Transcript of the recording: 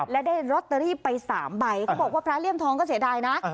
และได้ลอตเตอรี่ไป๓ใบเขาบอกว่าพระเลี่ยมทองก็เสียดายนะ